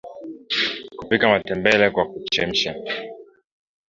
Kupika matembele kwa kuchemsha